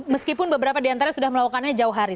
meskipun beberapa di antara sudah melakukannya jauh hari